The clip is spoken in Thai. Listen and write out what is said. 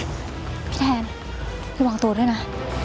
พี่แทนพี่วางตัวด้วยนะ